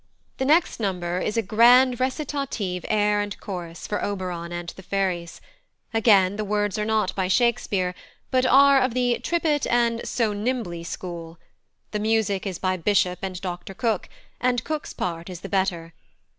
The next number is a "grand recitative air and chorus" for Oberon and the fairies; again the words are not by Shakespeare, but are of the "trip it" and "so nimbly" school; the music is by Bishop and Dr Cooke, and Cooke's part is the better.